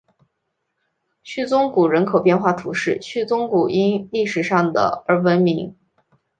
叙宗谷人口变化图示叙宗谷因历史上的而闻名。